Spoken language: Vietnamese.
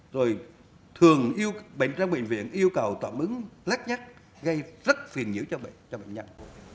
rồi thường bệnh trang bệnh viện yêu cầu tạm ứng lát nhắc gây rất phiền nhiễu cho bệnh nhân